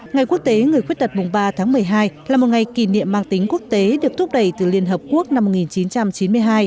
ngày quốc tế người khuyết tật mùng ba tháng một mươi hai là một ngày kỷ niệm mang tính quốc tế được thúc đẩy từ liên hợp quốc năm một nghìn chín trăm chín mươi hai